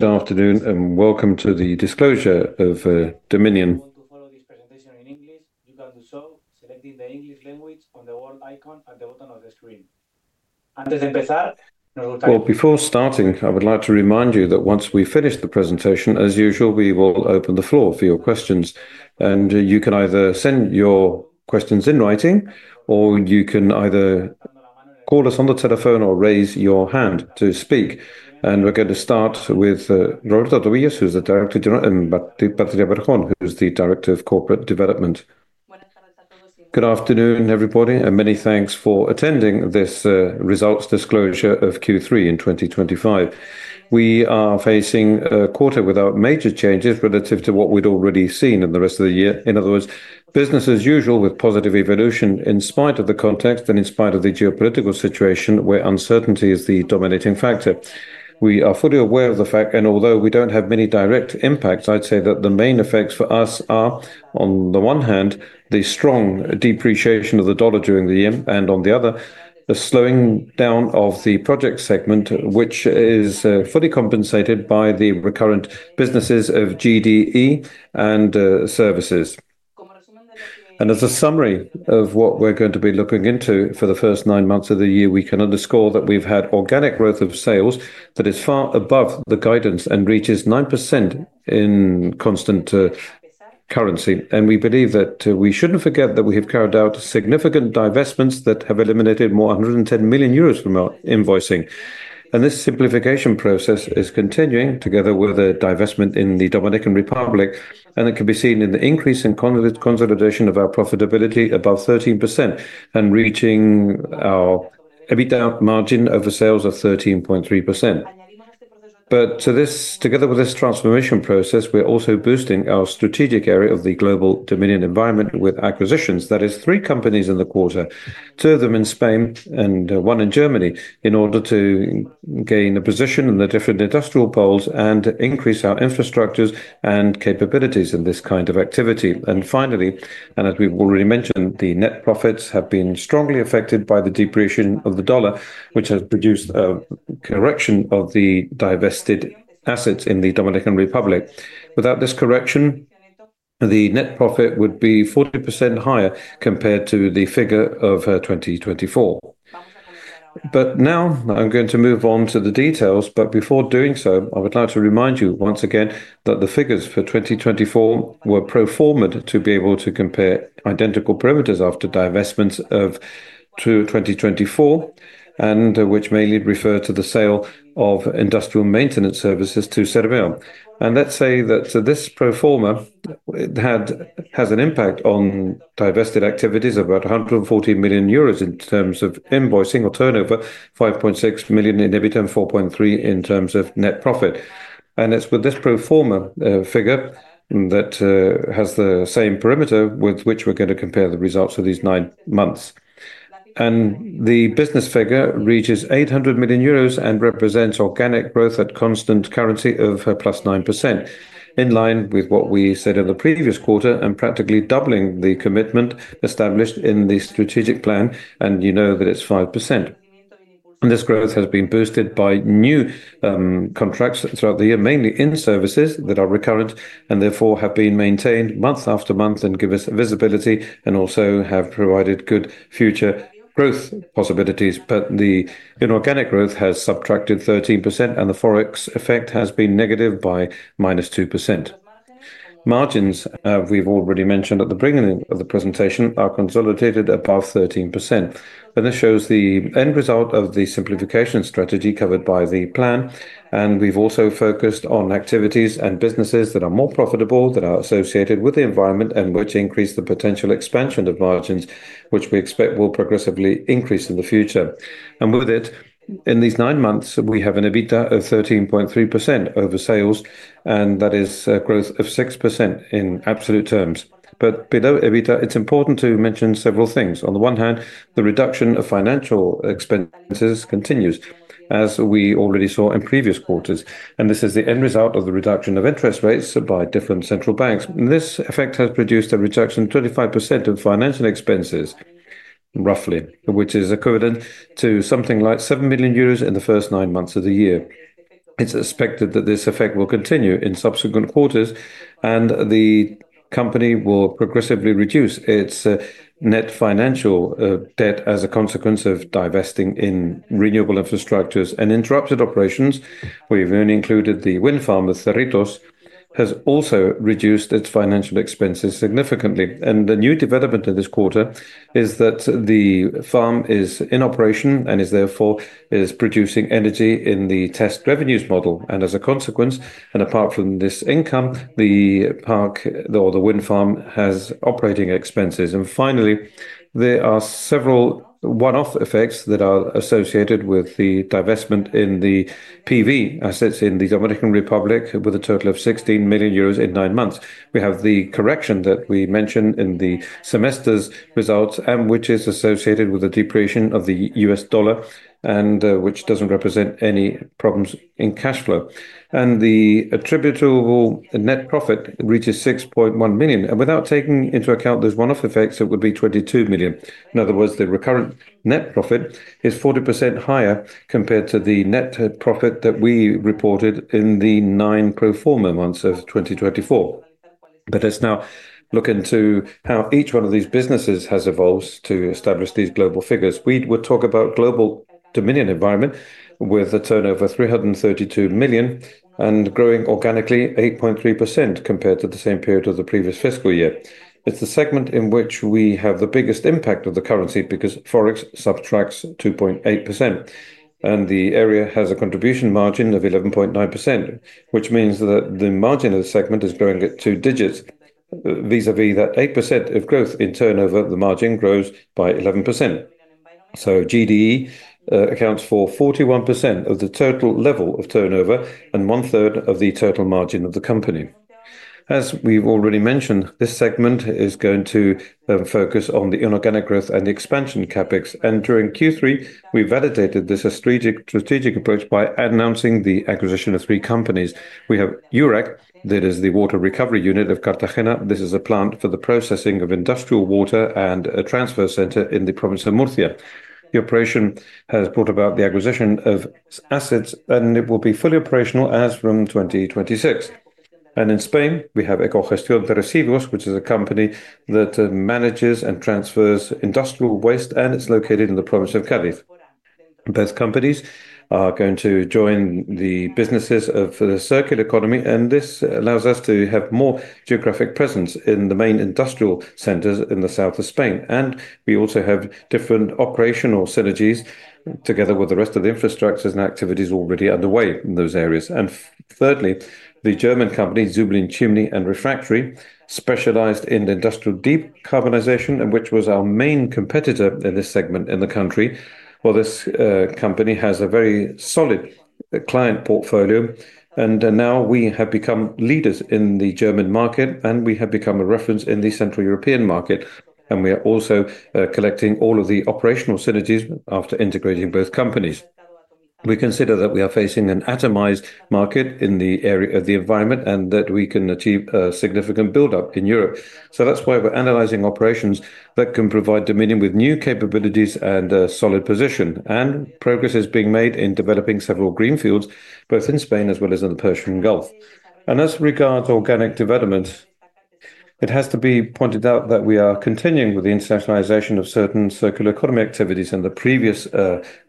Good afternoon, and welcome to the disclosure of Dominion. To follow this presentation in English, you can do so selecting the English language on the world icon at the bottom of the screen. Well, Well, before starting, I would like to remind you that once we finish the presentation, as usual, we will open the floor for your questions. And you can either send your questions in writing, or you can either call us on the telephone or raise your hand to speak. And we're going to start with Rolita Tobias, who is the Director of Corporate and Patrick Berghon, who is the Director of Corporate Development. Good afternoon, everybody, and many thanks for attending this results disclosure of Q3 in 2025. We are facing a quarter without major changes relative to what we'd already seen in the rest of the year. In other words, business as usual with positive evolution in spite of the context and in spite of the geopolitical situation where uncertainty is the dominating factor. We are fully aware of the fact and although we don't have many direct impacts, I'd say that the main effects for us are, on the one hand, the strong depreciation of the dollar during the year and on the other, the slowing down of the project segment, which is fully compensated by the recurrent businesses of GDE and services. And as a summary of what we're going to be looking into for the first nine months of the year, we can underscore that we've had organic growth of sales that is far above the guidance and reaches 9% in constant currency. And we believe that we shouldn't forget that we have carried out significant divestments that have eliminated more 110,000,000 euros from our invoicing. And this simplification process is continuing together with the divestment in The Dominican Republic, and it can be seen in the increase in consolidation of our profitability above 13% and reaching our EBITDA margin over sales of 13.3%. But to this together with this transformation process, we're also boosting our strategic area of the global Dominion environment with acquisitions, that is three companies in the quarter, two of them in Spain and one in Germany, in order to gain a position in the different industrial poles and increase our infrastructures and capabilities in this kind of activity. And finally, and as we've already mentioned, the net profits have been strongly affected by the depreciation of the dollar, which has produced a correction of the divested assets in The Dominican Republic. Without this correction, the net profit would be 40% higher compared to the figure of 2024. But now I'm going to move on to the details. But before doing so, I would like to remind you once again that the figures for 2024 were pro form a to be able to compare identical parameters after divestments of to 2024 and which mainly refer to the sale of industrial maintenance services to Ceraveo. And let's say that this pro form a had has an impact on divested activities of about €140,000,000 in terms of invoicing or turnover, euros 5,600,000.0 in EBITDA and 4,300,000.0 in terms of net profit. And as with this pro form a figure that has the same perimeter with which we're going to compare the results of these nine months. And the business figure reaches 800,000,000 euros and represents organic growth at constant currency of plus 9%, in line with what we said in the previous quarter and practically doubling the commitment established in the strategic plan, and you know that it's 5%. And this growth has been boosted by new contracts throughout the year, mainly in services that are recurrent and therefore have been maintained month after month and give us visibility and also have provided good future growth possibilities. But the inorganic growth has subtracted 13% and the Forex effect has been negative by minus 2%. Margins, we've already mentioned at the beginning of the presentation, are consolidated above 13%. And this shows the end result of the simplification strategy covered by the plan, and we've also focused on activities and businesses that are more profitable that are associated with the environment and which increase the potential expansion of margins, which we expect will progressively increase in the future. And with it, in these nine months, we have an EBITDA of 13.3% over sales, and that is a growth of 6% in absolute terms. But below EBITDA, it's important to mention several things. On the one hand, the reduction of financial expenses continues as we already saw in previous quarters. And this is the end result of the reduction of interest rates by different central banks. And this effect has produced a reduction 25% of financial expenses roughly, which is equivalent to something like 7,000,000 euros in the first nine months of the year. It's expected that this effect will continue in subsequent quarters, and the company will progressively reduce its net financial debt as a consequence of divesting in renewable infrastructures. And interrupted operations, we've only included the wind farm, Serritos, has also reduced its financial expenses significantly. And the new development in this quarter is that the farm is in operation and is therefore is producing energy in the test revenues model. And as a consequence, and apart from this income, the park or the wind farm has operating expenses. And finally, there are several one off effects that are associated with the divestment in the PV assets in The Dominican Republic with a total of 16,000,000 euros in nine months. We have the correction that we mentioned in the semester's results, which is associated with the depreciation of the US dollar and which doesn't represent any problems in cash flow. And the attributable net profit reaches $6,100,000 And without taking into account those one off effects, it would be $22,000,000 In other words, the recurrent net profit is 40% higher compared to the net profit that we reported in the nine pro form a months of 2024. Let us now look into how each one of these businesses has evolved to establish these global figures. We would talk about global dominion environment with a turnover of $332,000,000 and growing organically 8.3 compared to the same period of the previous fiscal year. It's the segment in which we have the biggest impact of the currency because Forex subtracts 2.8%, and the area has a contribution margin of 11.9%, which means that the margin of the segment is growing at two digits. Vis a vis that 8% of growth in turnover, the margin grows by 11%. So GDE accounts for 41% of the total level of turnover and one third of the total margin of the company. As we've already mentioned, this segment is going to focus on the inorganic growth and expansion CapEx. And during Q3, we validated this strategic approach by announcing the acquisition of three companies. We have UREC, that is the water recovery unit of Cartagena. This is a plant for the processing of industrial water and a transfer center in the province of Murcia. The operation has brought about the acquisition of assets, and it will be fully operational as from 2026. And in Spain, we have EcoHestion Perrecivios, which is a company that manages and transfers industrial waste, and it's located in the province of Calif. Both companies are going to join the businesses of the circular economy, and this allows us to have more geographic presence in the main industrial centers in the South Of Spain. And we also have different operational synergies together with the rest of the infrastructures and activities already underway in those areas. And thirdly, the German company, Zublin Chimney and Refractory, specialized in industrial deep carbonization and which was our main competitor in this segment in the country. Well, this company has a very solid client portfolio. And now we have become leaders in the German market, and we have become a reference in the Central European market. And we are also collecting all of the operational synergies after integrating both companies. We consider that we are facing an atomized market in the area of the environment and that we can achieve a significant buildup in Europe. So that's why we're analyzing operations that can provide Dominion with new capabilities and a solid position. And progress is being made in developing several greenfields, both in Spain as well as in the Persian Gulf. And as regards organic development, it has to be pointed out that we are continuing with the internationalization of certain circular economy activities in the previous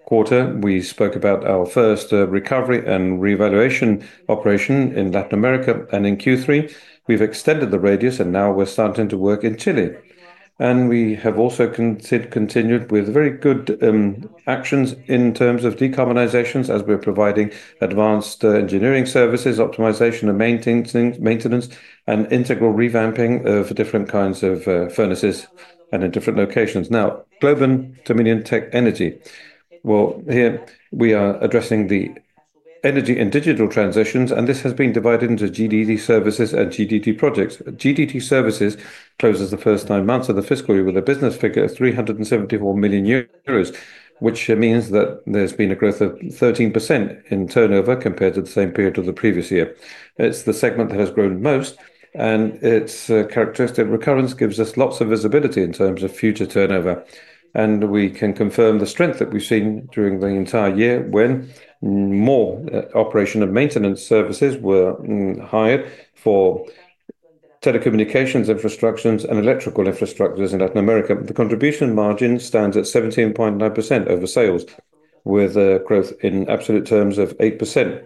quarter. We spoke about our first recovery and revaluation operation in Latin America. And in Q3, we've extended the radius, now we're starting to work in Chile. And we have also con continued with very good actions in terms of decarbonization as we're providing advanced engineering services, optimization and maintain maintenance and integral revamping of different kinds of furnaces and in different locations. Now Glovan, Dominion Tech Energy. Well, here, we are addressing the energy and digital transitions, and this has been divided into GDD services and GDD projects. GDT services closes the first nine months of the fiscal year with a business figure of €374,000,000, which means that there's been a growth of 13% in turnover compared to the same period of the previous year. It's the segment that has grown most, and its characteristic recurrence gives us lots of visibility in terms of future turnover. And we can confirm the strength that we've seen during the entire year when more operation and maintenance services were higher for telecommunications, infrastructures, and electrical infrastructures in Latin America. The contribution margin stands at 17.9% over sales with a growth in absolute terms of 8%.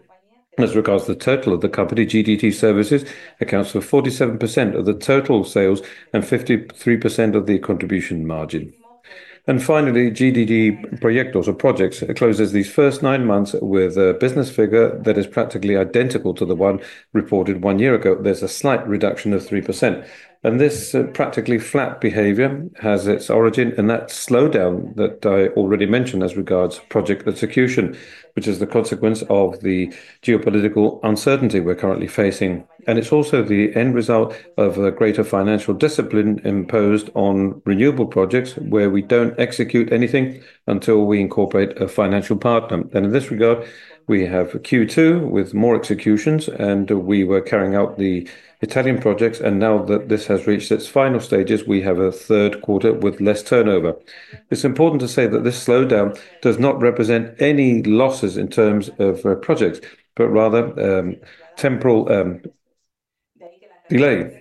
As regards to the total of the company, GDT Services accounts for 47% of the total sales and 53% of the contribution margin. And finally, GDT project or projects closes these first nine months with a business figure that is practically to the one reported one year ago. There's a slight reduction of 3%. And this practically flat behavior has its origin, and that slowdown that I already mentioned as regards project execution, which is the consequence of the geopolitical uncertainty we're currently facing. And it's also the end result of a greater financial discipline imposed on renewable projects where we don't execute anything until we incorporate a financial partner. And in this regard, we have Q2 with more executions, and we were carrying out the Italian projects. And now that this has reached its final stages, we have a third quarter with less turnover. It's important to say that this slowdown does not represent any losses in terms of projects, but rather temporal delay.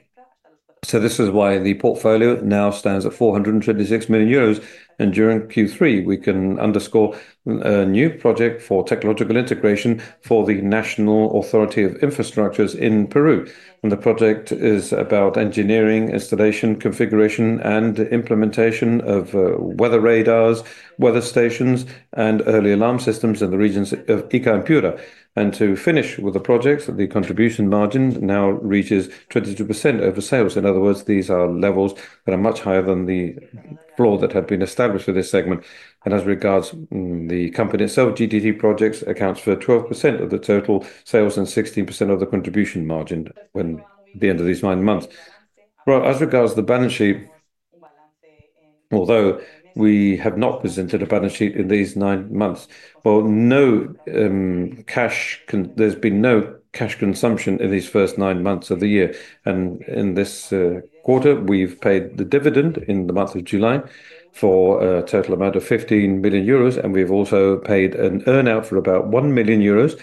So this is why the portfolio now stands at 426,000,000. And during q three, we can underscore a new project for technological integration for the National Authority of Infrastructures in Peru. And the project is about engineering, installation, configuration and implementation of weather radars, weather stations, and early alarm systems in the regions of ICA and Pira. And to finish with the projects, the contribution margin now reaches 22% over sales. In other words, these are levels that are much higher than the floor that have been established for this segment. And as regards the company itself, GTT projects accounts for 12 of the total sales and 16% of the contribution margin when the end of these nine months. Well, as regards to the balance sheet, although we have not presented a balance sheet in these nine months, well, no cash can there's been no cash consumption in these first nine months of the year. And in this quarter, we've paid the dividend in the month of July for a total amount of €15,000,000, and we've also paid an earn out for about €1,000,000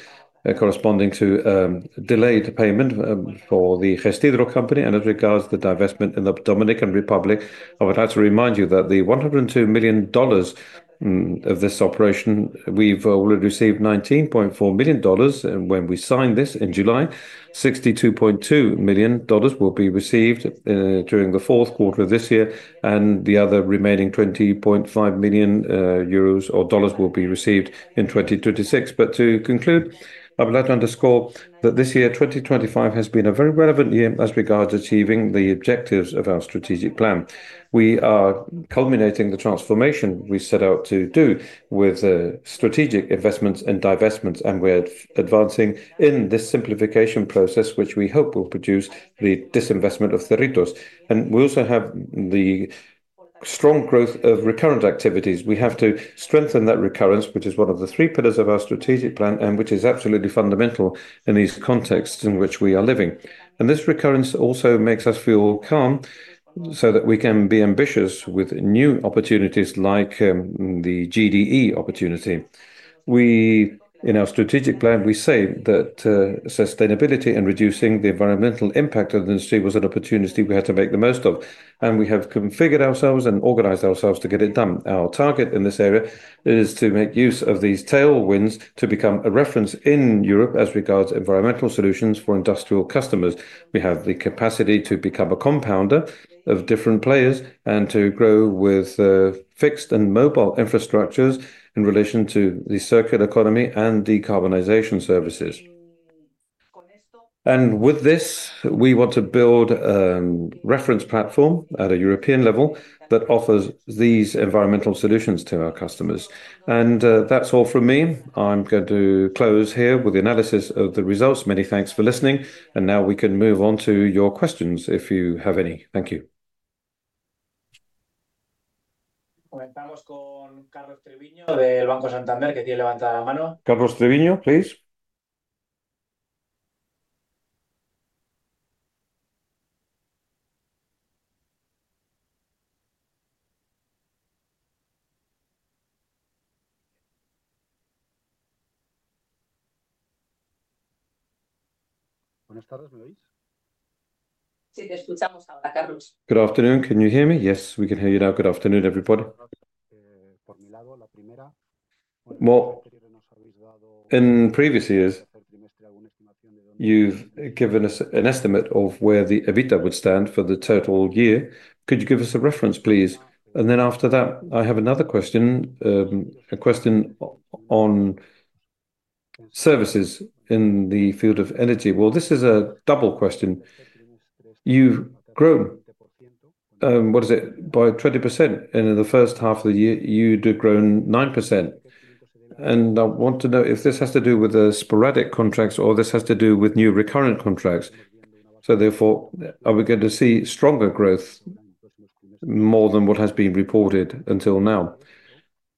corresponding to delayed payment for the Gestedro company. And with regards to the divestment in the Dominican Republic, would have to remind you that the $102,000,000 of this operation, we've already received $19,400,000 And when we signed this in July, dollars 62,200,000.0 will be received during the fourth quarter of this year and the other remaining €20,500,000 or dollars will be received in 2026. But to conclude, I would like to underscore that this year, 2025, has been a very relevant year as regards achieving the objectives of our strategic plan. We are culminating the transformation we set out to do with strategic investments and divestments, and we're advancing in this simplification process, which we hope will produce the disinvestment of the RITOS. And we also have the strong growth of recurrent activities. We have to strengthen that recurrence, which is one of the three pillars of our strategic plan and which is absolutely fundamental in these contexts in which we are living. And this recurrence also makes us feel calm so that we can be ambitious with new opportunities like the GDE opportunity. We in our strategic plan, we say that sustainability and reducing the environmental impact of the industry was an opportunity we had to make the most of, And we have configured ourselves and organized ourselves to get it done. Our target in this area is to make use of these tailwinds to become a reference in Europe as regards environmental solutions for industrial customers. We have the capacity to become a compounder of different players and to grow with fixed and mobile infrastructures in relation to the circular economy and decarbonization services. And with this, we want to build a reference platform at a European level that offers these environmental solutions to our customers. And that's all from me. I'm going to close here with the analysis of the results. Many thanks for listening. Now we can move on to your questions if you have any. Thank you. Carlos, Good afternoon. Can you hear me? Yes. We can hear you now. Good afternoon, everybody. Well, in previous years, you've given us an estimate of where the EBITDA would stand for the total year. Could you give us a reference, please? And then after that, I have another question, a question on services in the field of energy. Well, this is a double question. You've grown, what is it, by 20%. And in the first half of the year, you'd have grown 9%. And I want to know if this has to do with the sporadic contracts or this has to do with new recurrent contracts. So, therefore, are we going to see stronger growth more than what has been reported until now?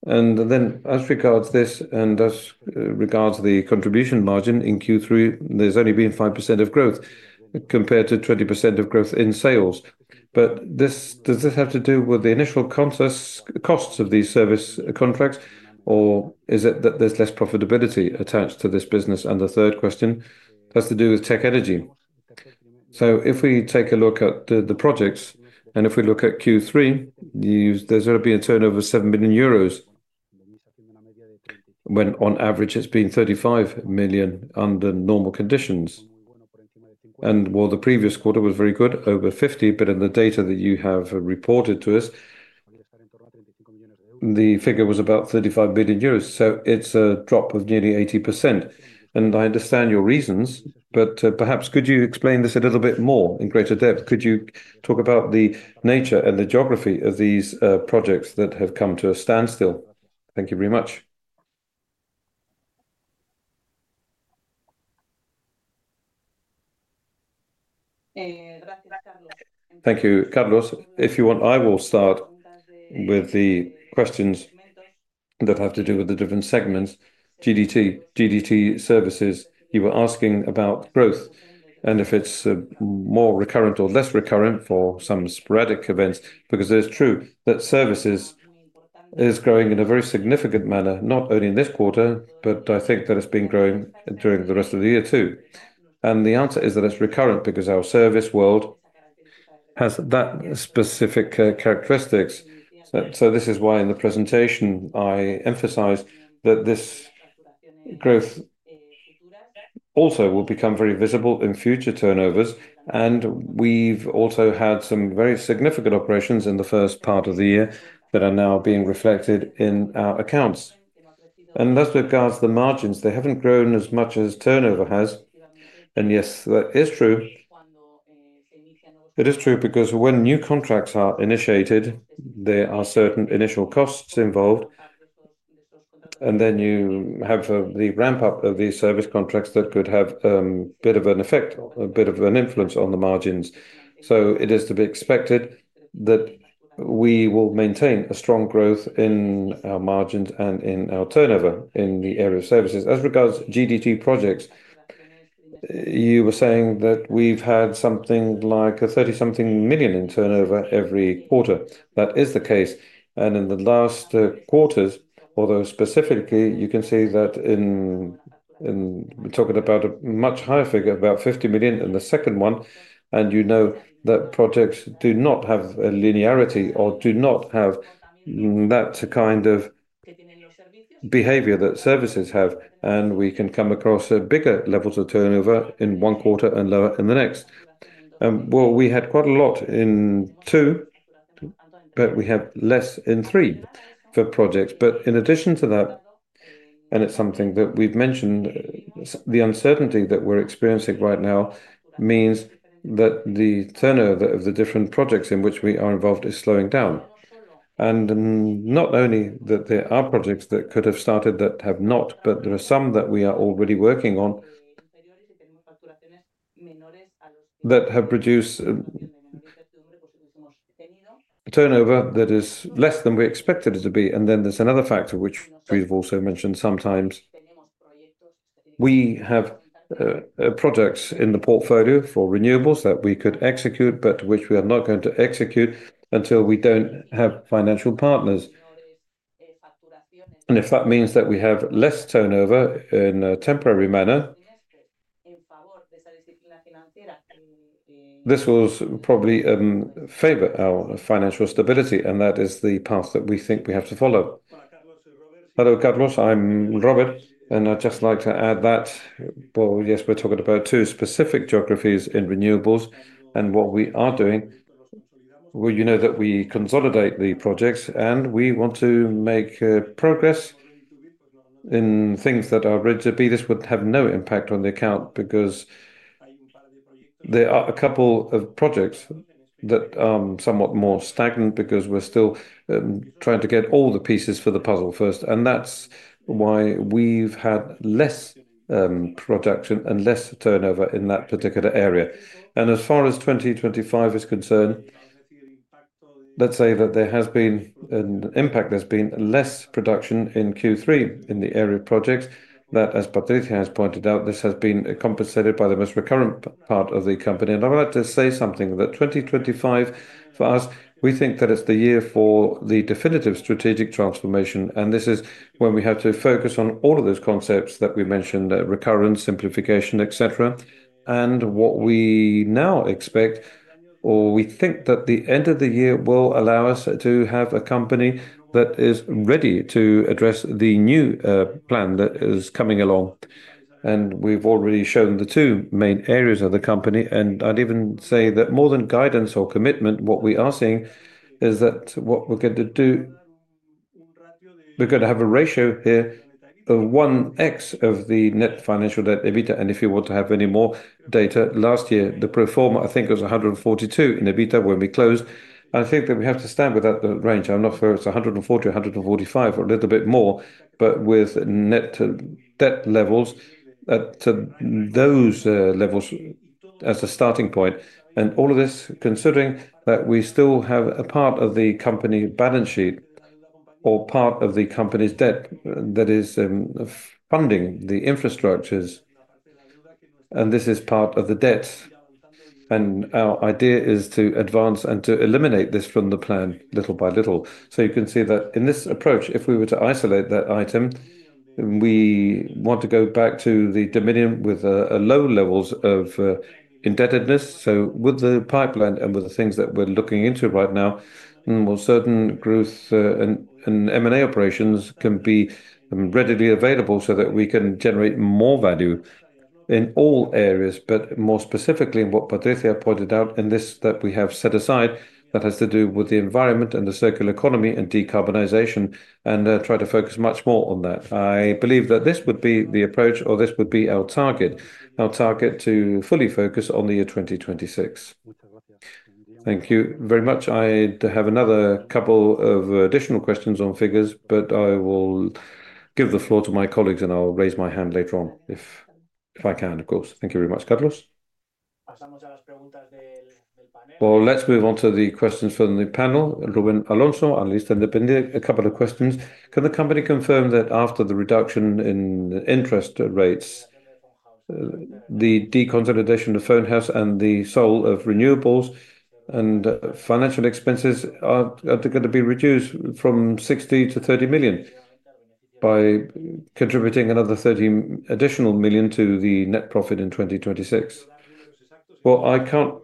And then as regards this and as regards the contribution margin in q three, there's only been 5% of growth compared to 20% of growth in sales. But this does this have to do with the initial costs of these service contracts? Or is it that there's less profitability attached to this business? And the third question has to do with tech energy. So if we take a look at the the projects, and if we look at q three, you use there's gonna be a turnover of €7,000,000 when on average it's been 35,000,000 under normal conditions. And while the previous quarter was very good, over 50, but in the data that you have reported to us, the figure was about 35,000,000,000. So it's a drop of nearly 80%. And I understand your reasons, but perhaps could you explain this a little bit more in greater depth? Could you talk about the nature and the geography of these projects that have come to a standstill? Thank you very much. Thank you, Carlos. If you want, I will start with the questions that have to do with the different segments. GDT GDT services, you were asking about growth and if it's more recurrent or less recurrent for some sporadic events. Because it's true that services is growing in a very significant manner, not only in this quarter, but I think that it's been growing during the rest of the year too. And the answer is that it's recurrent because our service world has that specific characteristics. So so this is why in the presentation, I emphasized that this growth also will become very visible in future turnovers, and we've also had some very significant operations in the first part of the year that are now being reflected in our accounts. And that's regards to the margins. They haven't grown as much as turnover has, And, yes, that is true. It is true because when new contracts are initiated, there are certain initial costs involved, and then you have the ramp up of these service contracts that could have bit of an effect, a bit of an influence on the margins. So it is to be expected that we will maintain a strong growth in our margins and in our turnover in the area of services. As regards GDG projects, you were saying that we've had something like a 30 something million in turnover every quarter. That is the case. And in the last quarters, although specifically, you can see that in in we're talking about a much higher figure, about 50,000,000 in the second one, and you know that projects do not have a linearity or do not have that kind of behavior that services have, and we can come across a bigger level to turnover in one quarter and lower in the next. Well, we had quite a lot in two, but we have less in three for projects. But in addition to that, and it's something that we've mentioned, the uncertainty that we're experiencing right now means that the turnover of the different projects in which we are involved is slowing down. And not only that there are projects that could have started that have not, but there are some that we are already working on that have produced turnover that is less than we expected it to be. And then there's another factor which we've also mentioned sometimes. We have projects in the portfolio for renewables that we could execute, but which we are not going to execute until we don't have financial partners. And if that means that we have less turnover in a temporary manner, this was probably in favor of our financial stability, and that is the path that we think we have to follow. Hello, Carlos. I'm Robert, and I'd just like to add that well, yes, we're talking about two specific geographies in renewables and what we are doing. Well, you know that we consolidate the projects, and we want to make progress in things that are rigid. Beaters would have no impact on the account because there are a couple of projects that are somewhat more stagnant because we're still trying to get all the pieces for the puzzle first. And that's why we've had less production and less turnover in that particular area. And as far as 2025 is concerned, let's say that there has been an impact. There's been less production in q three in the area of projects that, as Patrice has pointed out, this has been compensated by the most recurrent part of the company. And I would like to say something that 2025, for us, we think that it's the year for the definitive strategic transformation. And this is when we have to focus on all of those concepts that we mentioned, the recurrence, simplification, etcetera. And what we now expect or we think that the end of the year will allow us to have a company that is ready to address the new plan that is coming along. And we've already shown the two main areas of the company, and I'd even say that more than guidance or commitment, what we are seeing is that what we're going to do, we're going to have a ratio here of one x of the net financial debt EBITDA. And if you want to have any more data, last year, the pro form a, I think, was a 142 in EBITDA when we closed. I think that we have to stand without the range. I'm not sure it's a 140, a 145 or a little bit more, but with net debt levels at those levels as a starting point. And all of this considering that we still have a part of the company balance sheet or part of the company's debt that is funding the infrastructures, and this is part of the debt. And our idea is to advance and to eliminate this from the plan little by little. So you can see that in this approach, if we were to isolate that item, we want to go back to the dominion with low levels of indebtedness. So with the pipeline and with the things that we're looking into right now, well, certain growth and m and a operations can be readily available so that we can generate more value in all areas. But more specifically, Patricia pointed out in this that we have set aside that has to do with the environment and the circular economy and decarbonization and try to focus much more on that. I believe that this would be the approach or this would be our target our target to fully focus on the year 2026. Thank you very much. I'd have another couple of additional questions on figures, but I will give the floor to my colleagues, and I'll raise my hand later on if if I can, of course. Thank you very much, Carlos. Well, let's move on to the questions from the panel. Ruben Palonso, Alistin, couple of questions. Can the company confirm that after the reduction in interest rates, the deconsolidation of phone house and the soul of renewables and financial expenses going to be reduced from 60,000,000 to 30,000,000 by contributing another 30 additional million to the net profit in 2026. Well, I can't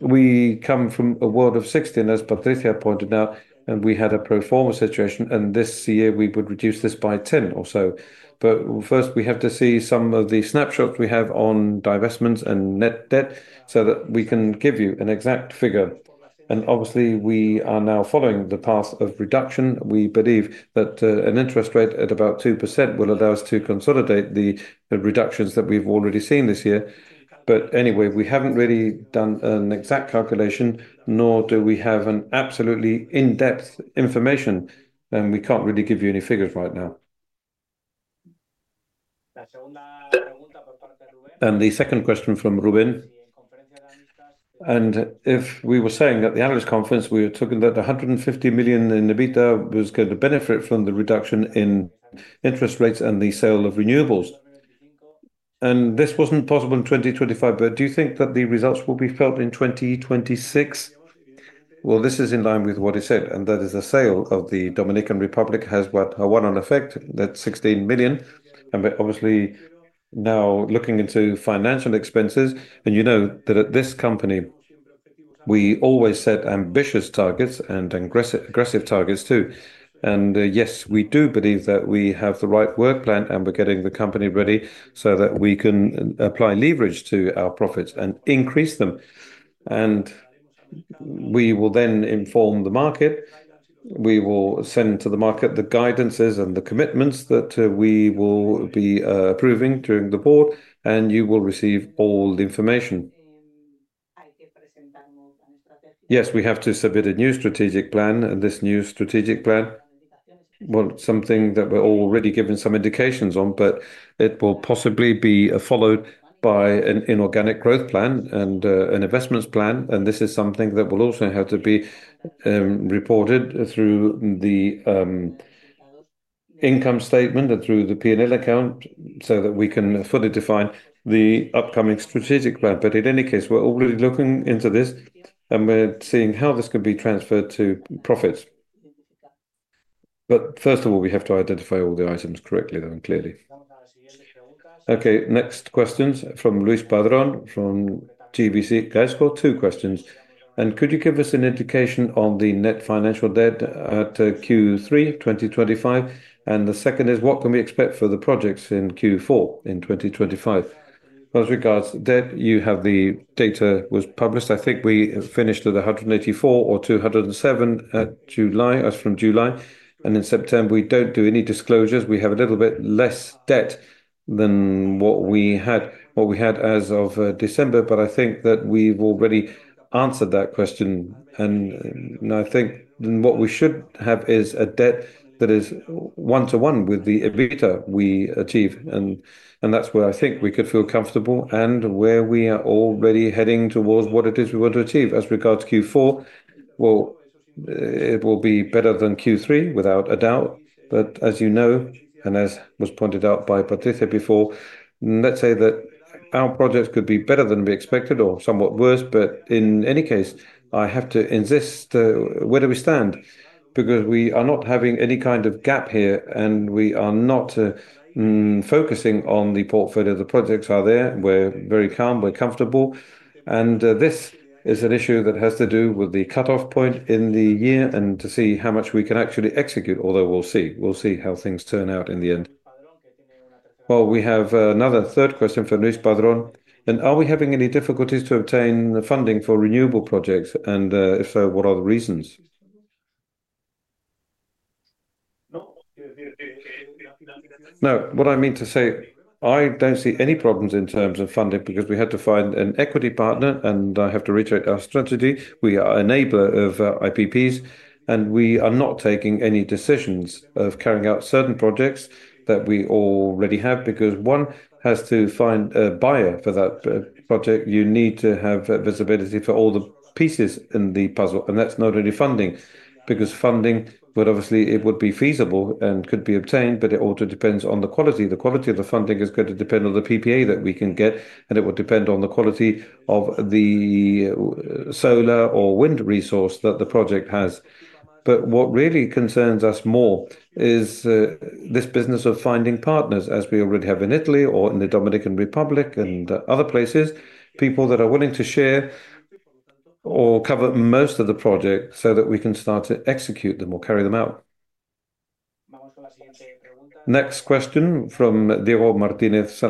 we come from a world of 16, as Patricia pointed out, and we had a pro form a situation. And this year, we would reduce this by 10 or so. But first, we have to see some of the snapshot we have on divestments and net debt so that we can give you an exact figure. And, obviously, we are now following the path of reduction. We believe that an interest rate at about 2% will allow us to consolidate the the reductions that we've already seen this year. But, anyway, we haven't really done an exact calculation nor do we have an absolutely in-depth information, and we can't really give you any figures right now. And the second question from Ruben. And if we were saying at the analyst conference, we were talking that the 150,000,000 in EBITDA was going to benefit from the reduction in interest rates and the sale of renewables. And this wasn't possible in 2025, but do you think that the results will be felt in 2026? Well, this is in line with what he said, and that is the sale of the Dominican Republic has what? A one on effect. That's 16,000,000. And we're obviously now looking into financial expenses. And you know that at this company, we always set ambitious targets and aggressive targets too. And, yes, we do believe that we have the right work plan, and we're getting the company ready so that we can apply leverage to our profits and increase them. And we will then inform the market. We will send to the market the guidances and the commitments that we will be approving during the board, and you will receive all the information. Yes. We have to submit a new strategic plan, and this new strategic plan, well, something that we're already given some indications on, but it will possibly be followed by an inorganic growth plan and an investments plan. And this is something that will also have to be reported through the income statement and through the p and l account so that we can fully define the upcoming strategic plan. But in any case, we're already looking into this, and we're seeing how this could be transferred to profits. But first of all, we have to identify all the items correctly then clearly. Okay. Next question's from Luis Padran from GBC. Guys, I've got two questions. And could you give us an indication on the net financial debt at q three twenty twenty five? And the second is what can we expect for the projects in q four in 2025? With regards to debt, you have the data was published. I think we finished at a 184 or 207 at July as from July. And in September, we don't do any disclosures. We have a little bit less debt than what we had what we had as of December, but I think that we've already answered that question. And and I think then what we should have is a debt that is one to one with the EBITDA we achieved. And and that's where I think we could feel comfortable and where we are already heading towards what it is we want to achieve. As regards q four, well, it will be better than q three without a doubt. But as you know, and as was pointed out by Patricia before, let's say that our project could be better than we expected or somewhat worse. But in any case, I have to insist where do we stand? Because we are not having any kind of gap here, and we are not focusing on the portfolio. The projects are there. We're very calm. We're comfortable. And this is an issue that has to do with the cutoff point in the year and to see how much we can actually execute, although we'll see. We'll see how things turn out in the end. Well, we have another third question for Noosh Padron. And are we having any difficulties to obtain the funding for renewable projects? And if so, what are the reasons? No. No. What I mean to say, I don't see any problems in terms of funding because we had to find an equity partner, and I have to reiterate our strategy. We are a neighbor of IPPs, and we are not taking any decisions of carrying out certain projects that we already have because one has to find a buyer for that project. You need to have visibility for all the pieces in the puzzle, and that's not only funding because funding well, obviously, it would be feasible and could be obtained, but it also depends on the quality. The quality of the funding is going to depend on the PPA that we can get, and it would depend on the quality of the solar or wind resource that the project has. But what really concerns us more is this business of finding partners as we already have in Italy or in The Dominican Republic and other places, people that are willing to share or cover most of the project so that we can start to execute them or carry them out. Next question from, and he's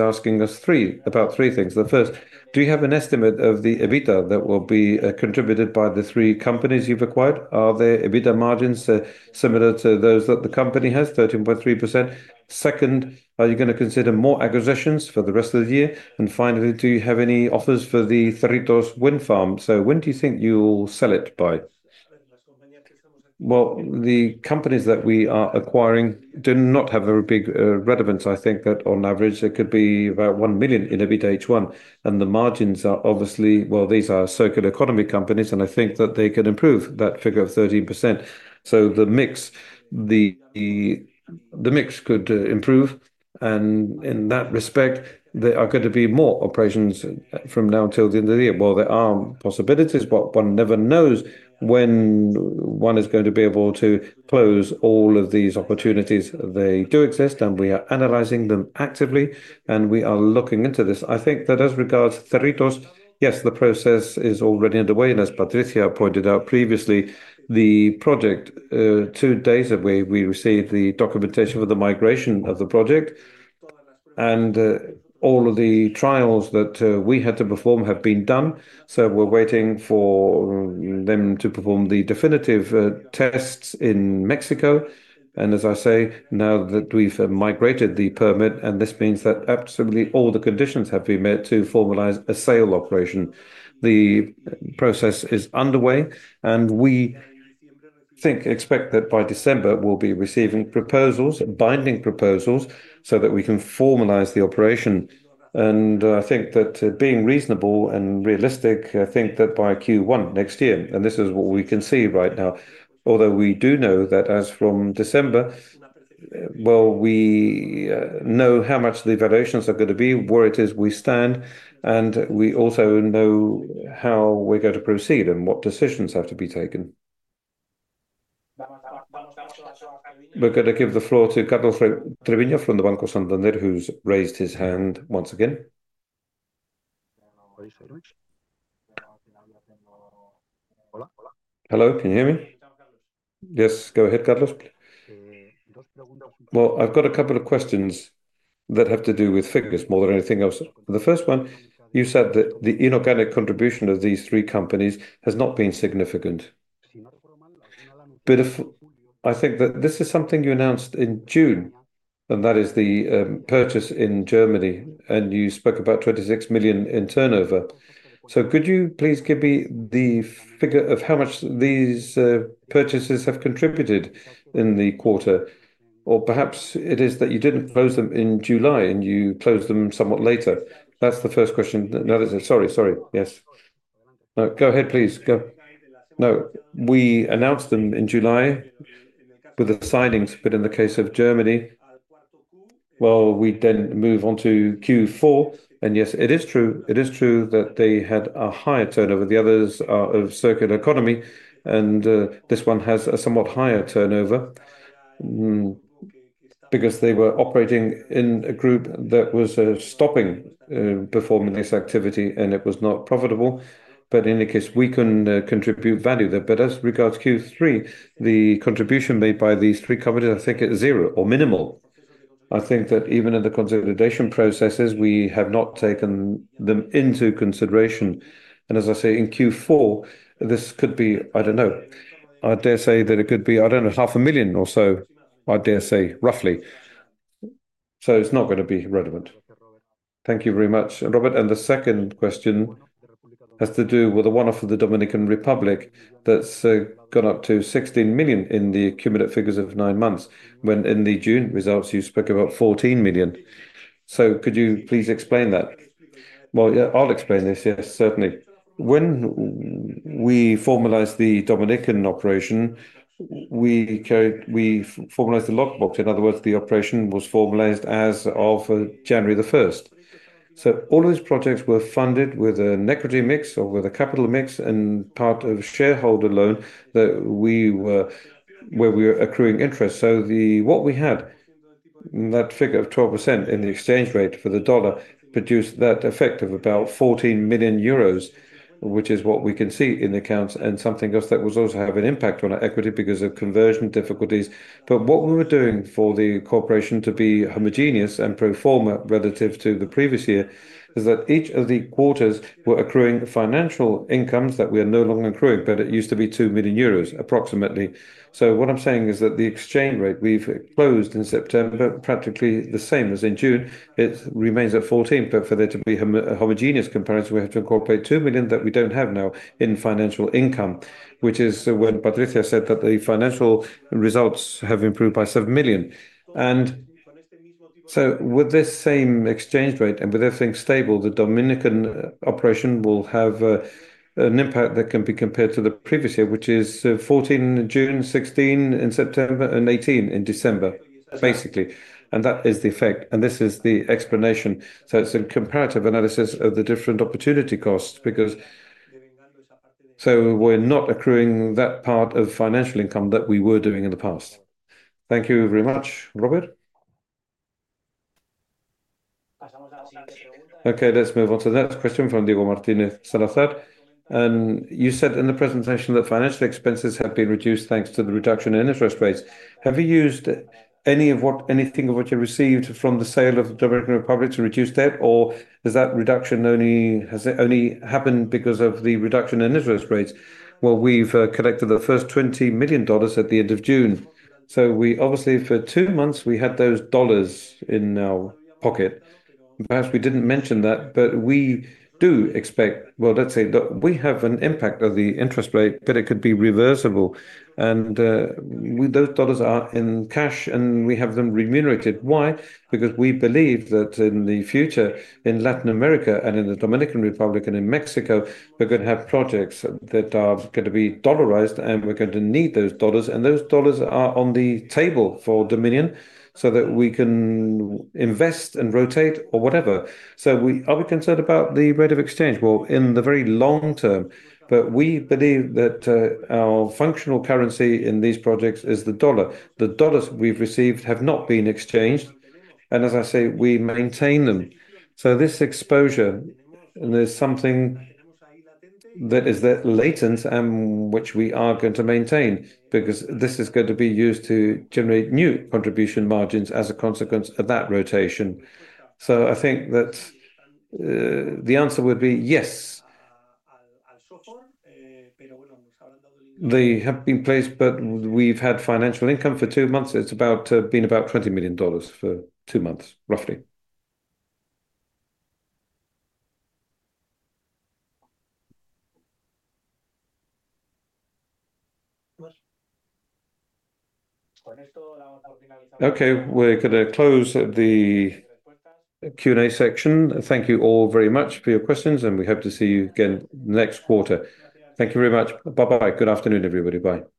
asking us three about three things. The first, do you have an estimate of the EBITDA that will be contributed by the three companies you've acquired? Are their EBITDA margins similar to those that the company has, thirteen point three percent? Second, are you gonna consider more acquisitions for the rest of the year? And finally, do you have any offers for the Saritos wind farm? So when do you think you'll sell it by? Well, the companies that we are acquiring do not have a big relevance. I think that on average, it could be about 1,000,000 in EBITDA h one. And the margins are obviously well, these are circular economy companies, and I think that they could improve that figure of 13%. So the mix the the the mix could improve. And in that respect, there are going to be more operations from now until the end of the year. Well, there are possibilities, but one never knows when one is going to be able to close all of these opportunities. They do exist, and we are analyzing them actively, and we are looking into this. I think that as regards to Theritos, yes, the process is already underway. And as Patricia pointed out previously, the project, two days away, we received the documentation for the migration of the project. And all of the trials that we had to perform have been done. So we're waiting for them to perform the definitive tests in Mexico. And as I say, now that we've migrated the permit, and this means that absolutely all the conditions have been met to formalize a sale operation. The process is underway, and we think expect that by December, we'll be receiving proposals, binding proposals, so that we can formalize the operation. And I think that being reasonable and realistic, I think that by q one next year and this is what we can see right now. Although we do know that as from December, well, we know how much the evaluations are gonna be, where it is we stand, and we also know how we're gonna proceed and what decisions have to be taken. We're gonna give the floor to Carlos Trevino from the bank of Santander who's raised his hand once again. Hello? Can you hear me? Yes. Go ahead, Carlos. I've got a couple of questions that have to do with Ficus more than anything else. The first one, you said that the inorganic contribution of these three companies has not been significant. Bit of I think that this is something you announced in June, and that is the purchase in Germany. And you spoke about 26,000,000 in turnover. So could you please give me the figure of how much these purchases have contributed in the quarter? Or perhaps it is that you didn't close them in July and you closed them somewhat later. That's the first question. No. That is sorry. Sorry. Yes. No. Go ahead, please. Go. No. We announced them in July with the signings, but in the case of Germany, well, we then move on to q four. And, yes, it is true. It is true that they had a higher turnover. The others are of Circuit Economy, and this one has a somewhat higher turnover because they were operating in a group that was stopping performing this activity, and it was not profitable. But in the case, we can contribute value there. But as regards q three, the contribution made by these three covered, I think, is zero or minimal. I think that even in the consolidation processes, we have not taken them into consideration. And as I say, in q four, this could be, I don't know, I dare say that it could be, I don't know, half a million or so, I dare say, roughly. So it's not gonna be relevant. Thank you very much, Robert. And the second question has to do with the one off of the Dominican Republic that's gone up to 16,000,000 in the cumulative figures of nine months when in the June results you spoke about 14,000,000. So could you please explain that? Well, yeah, I'll explain this. Yes. Certainly. When we formalized the Dominican operation, we carried we formalized the lockbox. In other words, the operation was formalized as of January the first. So all these projects were funded with an equity mix or with a capital mix and part of shareholder loan that we were where we were accruing interest. So the what we had in that figure of 12% in the exchange rate for the dollar produced that effect of about €14,000,000, which is what we can see in accounts and something else that was also having an impact on our equity because of conversion difficulties. But what we were doing for the corporation to be homogeneous and pro form a relative to the previous year is that each of the quarters were accruing financial incomes that we are no longer accruing, but it used to be €2,000,000 approximately. So what I'm saying is that the exchange rate we've closed in September, practically the same as in June, remains at 14, but for there to be homogeneous comparison, we have to incorporate 2,000,000 that we don't have now in financial income, which is when Patricia said that the financial results have improved by 7,000,000. And so with this same exchange rate and with everything stable, the Dominican operation will have an impact that can be compared to the previous year, which is 14, 16 in September, and 18 in December, basically. And that is the effect. And this is the explanation. So it's a comparative analysis of the different opportunity costs because so we're not accruing that part of financial income that we were doing in the past. Thank you very much, Robert. Okay. Let's move on to that question from. And you said in the presentation that financial expenses have been reduced thanks to the reduction in interest rates. Have you used any of what anything of what you received from the sale of the Dominican Republic to reduce debt? Or is that reduction only has it only happened because of the reduction in interest rates? Well, we've collected the first $20,000,000 at the June. So we obviously, for two months, we had those dollars in our pocket. Perhaps we didn't mention that, but we do expect well, let's say, we have an impact of the interest rate that it could be reversible. And with those dollars are in cash and we have them remunerated. Why? Because we believe that in the future, in Latin America and in The Dominican Republic and in Mexico, we're gonna have projects that are gonna be dollarized, and we're going to need those dollars. And those dollars are on the table for Dominion so that we can invest and rotate or whatever. So we are we concerned about the rate of exchange? Well, in the very long term. But we believe that our functional currency in these projects is the dollar. The dollars we've received have not been exchanged, and as I say, we maintain them. So this exposure, there's something that is that latent and which we are going to maintain because this is going to be used to generate new contribution margins as a consequence of that rotation. So I think that the answer would be yes. They have been placed, but we've had financial income for two months. It's about been about $20,000,000 for two months, roughly. Okay. We're gonna close the q and a section. Thank you all very much for your questions, and we hope to see you again next quarter. Thank you very much. Bye bye. Good afternoon, everybody. Bye.